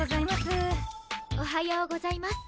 おはようございます。